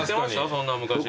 そんなん昔。